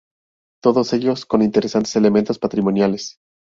Todos ellos con interesantes elementos patrimoniales.